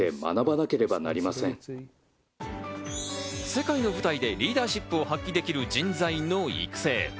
世界の舞台でリーダーシップを発揮できる人材の育成。